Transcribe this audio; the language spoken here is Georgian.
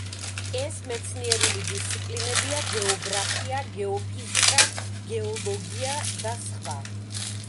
ეს მეცნიერული დისციპლინებია: გეოგრაფია, გეოფიზიკა, გეოლოგია და სხვა.